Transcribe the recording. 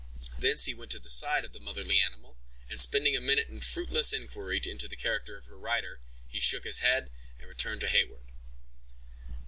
Thence he went to the side of the motherly animal, and spending a minute in a fruitless inquiry into the character of her rider, he shook his head and returned to Heyward.